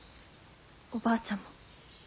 おばあちゃんも。